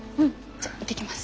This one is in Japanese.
じゃあ行ってきます。